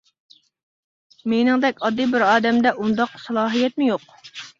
مېنىڭدەك ئاددىي بىر ئادەمدە ئۇنداق سالاھىيەتمۇ يوق.